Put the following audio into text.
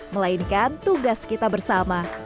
melainkan tugas kita bersama